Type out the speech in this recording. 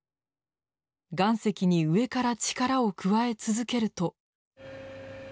岩石に上から力を加え続けると。